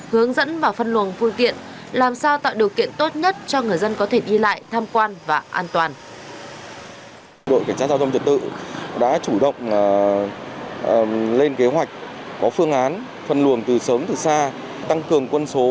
hướng dẫn và phân luồng phương tiện làm sao tạo điều kiện tốt nhất cho người dân có thể đi lại tham quan và an toàn